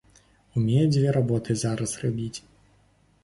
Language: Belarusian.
Умее дзве работы зараз рабіць.